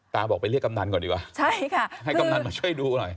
บอกไปเรียกกำนันก่อนดีกว่าใช่ค่ะให้กำนันมาช่วยดูหน่อย